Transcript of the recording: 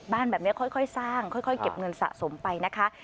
บ้านแบบนี้ค่อยสร้างค่อยเก็บเงินสะสมไปนะคะ